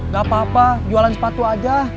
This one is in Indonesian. gak apa apa jualan sepatu aja